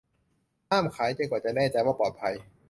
ห้ามขายจนกว่าจะแน่ใจว่าปลอดภัย